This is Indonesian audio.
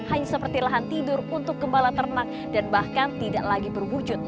hanya seperti lahan tidur untuk gembala ternak dan bahkan tidak lagi berwujud